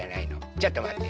ちょっとまって。